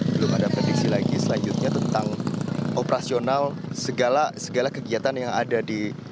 belum ada prediksi lagi selanjutnya tentang operasional segala kegiatan yang ada di